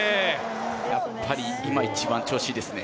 やっぱり、今一番、調子いいですね。